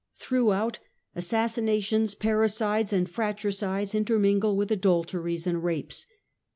Throughout assassinations, parricides and fratricides in termingle with adulteries and rapes.